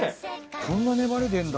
こんな粘り出るんだ。